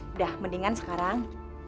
udah mendingan sekarang